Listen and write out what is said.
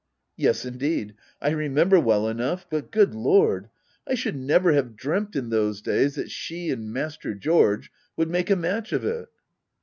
Yes indeed — I remember well enough !— But, good Lord, I should never have dreamt in those days that she and Master George would make a match of it.